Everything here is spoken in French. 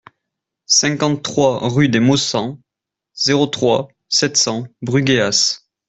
cinquante-trois rue des Maussangs, zéro trois, sept cents Brugheas